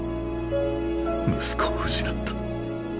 息子を失った。